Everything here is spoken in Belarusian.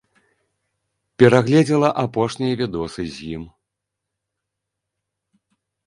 Перагледзела апошнія відосы з ім.